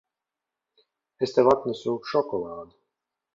Es tev atnesu šokolādi.